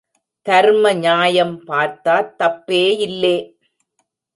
தர்ம ஞாயம் பார்த்தாத் தப்பேயில்லே.